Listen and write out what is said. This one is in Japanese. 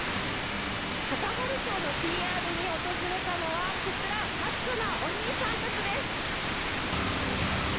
高原町のＰＲに訪れたのはこちら、マッチョなお兄さんたちです。